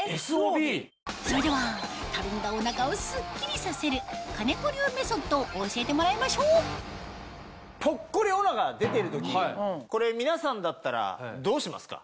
それではたるんだお腹をスッキリさせる兼子流メソッドを教えてもらいましょうぽっこりお腹が出てる時これ皆さんだったらどうしますか？